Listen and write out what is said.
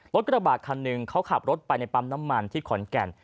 กระบาดคันหนึ่งเขาขับรถไปในปั๊มน้ำมันที่ขอนแก่น